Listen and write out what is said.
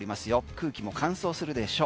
空気も乾燥するでしょう。